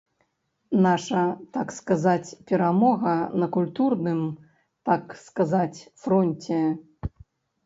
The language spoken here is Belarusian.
Наша, так сказаць, перамога на культурным, так сказаць, фронце.